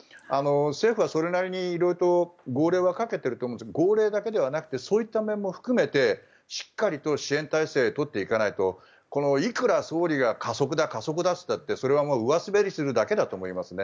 政府はそれなりに色々と号令はかけていると思いますが号令だけではなくてそういった面も含めてしっかりと支援体制を取っていかないといくら総理が加速だと言ったってそれはもう上滑りするだけだと思いますね。